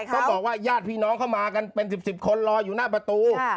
ต้องบอกว่าญาติพี่น้องเข้ามากันเป็น๑๐คนรออยู่หน้าประตู